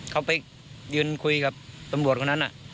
เขาไปยืนคุยกับตำรวจคนนั้น